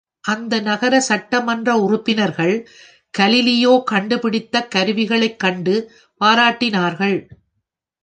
அந்த நகர சட்டமன்ற உறுப்பினர்கள் கலீலியோ கண்டுபிடித்தக் கருவிகளைக் கண்டு பாராட்டினார்கள்.